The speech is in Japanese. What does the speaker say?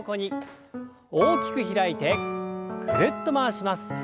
大きく開いてぐるっと回します。